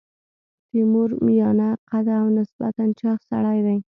تیمور میانه قده او نسبتا چاغ سړی دی.